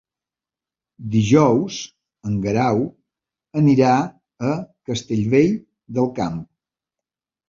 Dijous en Guerau anirà a Castellvell del Camp.